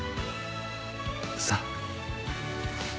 さあ。